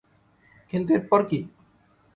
কিন্তু এরপর কি?